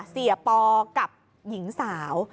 เสียปอกับหญิงสาว